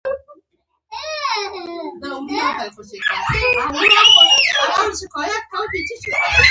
یوې ونې له تبر څخه شکایت وکړ.